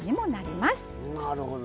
なるほど。